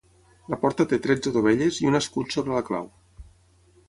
La porta té tretze dovelles i un escut sobre la clau.